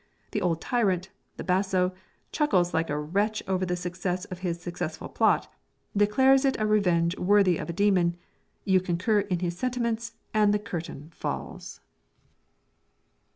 The old tyrant the basso chuckles like a wretch over the success of his successful plot, declares it a revenge worthy of a demon; you concur in his sentiments, and the curtain falls.